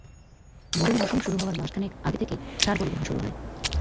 বোরো মৌসুম শুরু হওয়ার মাস খানেক আগে থেকেই সার পরিবহন শুরু হয়।